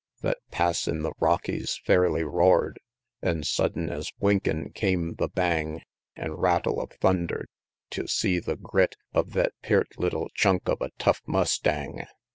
XXXIV. Thet pass in the Rockies fairly roar'd; An sudden' es winkin' came the bang An rattle of thunder. Tew see the grit Of thet peart little chunk of a tough mustang!